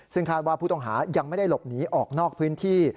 ซึ่งคาดว่าผู้ต้องหายังไม่ได้หลบหนีออกนอกพื้นที่